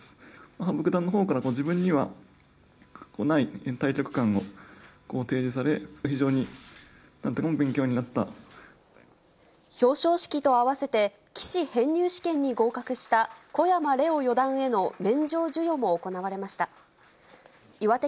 羽生九段のほうから自分にはない大局観を提示され、非常に勉強に表彰式と合わせて、棋士編入試験に合格した小山怜央四段への免状授与も行われました。